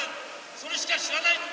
それしか知らない。